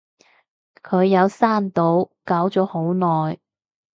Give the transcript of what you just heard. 佢有刪到，搞咗好耐